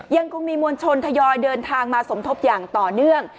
ยังคงมีมวลชนทยอยเดินทางมาสมทบอย่างต่อเนื่อง